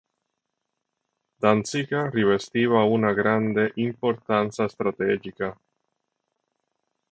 Danzica rivestiva una grande importanza strategica.